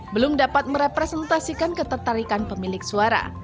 belum dapat merepresentasikan ketertarikan pemilik suara